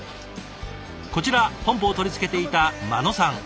こちらポンプを取り付けていた真野さん。